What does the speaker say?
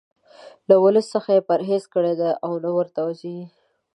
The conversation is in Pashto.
له ولس څخه یې پرهیز کړی دی او نه ورته ځي.